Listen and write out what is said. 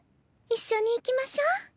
一緒に行きましょう。